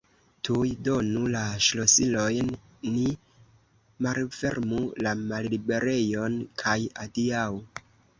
Tuj donu la ŝlosilojn, ni malfermu la malliberejon kaj adiaŭ!